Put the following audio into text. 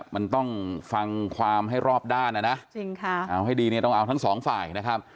มันต้องฟังความให้รอบด้านนะนะเอาให้ดีเนี่ยต้องเอาทั้งสองฝ่ายนะครับ